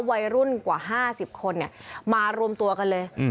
วัยรุ่นกว่าห้าสิบคนเนี่ยมารวมตัวกันเลยอืม